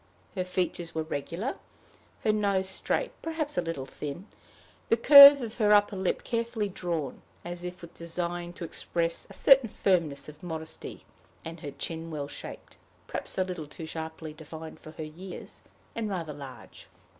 Her features were regular her nose straight perhaps a little thin; the curve of her upper lip carefully drawn, as if with design to express a certain firmness of modesty; and her chin well shaped, perhaps a little too sharply defined for her years, and rather large.